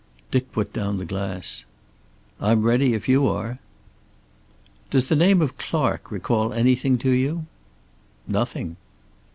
Dick put down the glass. "I'm ready, if you are." "Does the name of Clark recall anything to you?" "Nothing."